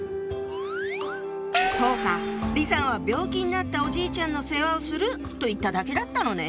そうか李さんは「病気になったおじいちゃんの世話をする」と言っただけだったのね。